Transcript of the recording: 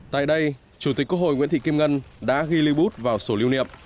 tại đây chủ tịch quốc hội nguyễn thị kim ngân đã ghi lưu bút vào sổ lưu niệm